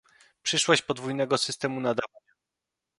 przyszłość podwójnego systemu nadawania"